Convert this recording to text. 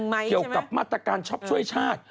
เกี่ยวกับมาตรการช็อปช่วยชาติ